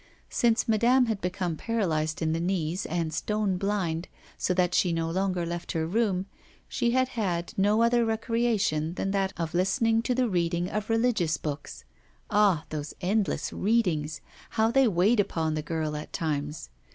Since madame had become paralysed in the knees and stone blind, so that she no longer left her room, she had had no other recreation than that of listening to the reading of religious books. Ah! those endless readings, how they weighed upon the girl at times!